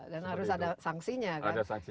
dan harus ada sanksinya kan